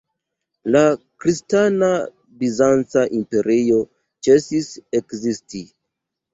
La kristana Bizanca imperio ĉesis ekzisti.